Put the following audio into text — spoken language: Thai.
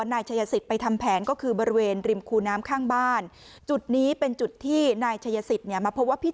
นายชายสิตไปทำแผนก็คือบริเวณริมคูน้ำข้างบ้านจุดนี้เป็นจุดที่